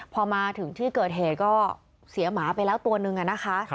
พอมาถึงที่เกิดเหตุก็เสียหมาไปแล้วตัวนึงนะคะ